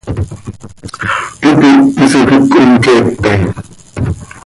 Hipi hisoj iic cohmqueepe.